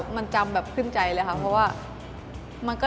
มันจำแบบขึ้นใจเลยค่ะ